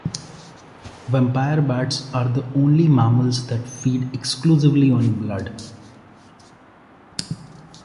Vampire bats are the only mammals that feed exclusively on blood.